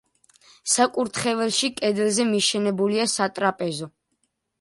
საკურთხეველში კედელზე მიშენებულია სატრაპეზო.